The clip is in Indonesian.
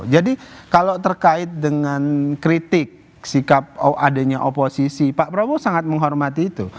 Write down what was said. jadi kalau terkait dengan kritik sikap adanya oposisi pak prabowo sangat menghormati itu